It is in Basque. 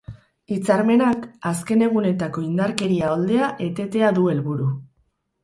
Hitzarmenak azken egunetako indarkeria oldea etetea du helburu.